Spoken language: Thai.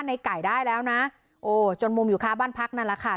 ในไก่ได้แล้วนะโอ้จนมุมอยู่ค่าบ้านพักนั่นแหละค่ะ